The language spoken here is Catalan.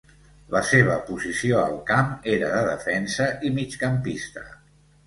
La seva posició al camp era de defensa i migcampista.